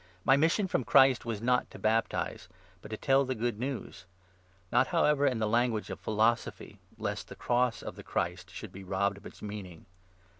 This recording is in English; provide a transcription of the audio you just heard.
My mission from Christ was 17 not to baptize, but to tell the Good News ; not, however, in the language of philosophy, lest the cross of the Christ should be robbed of its meaning.